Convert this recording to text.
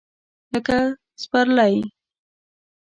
لکه سپرلی !